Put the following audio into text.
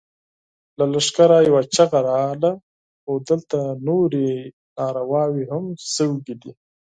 له لښکره يوه چيغه راغله! خو دلته نورې نارواوې هم شوې دي.